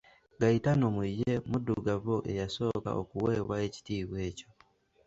Gayitano mu ye muddugavu eyasooka okuweebwa ekitiibwa ekyo.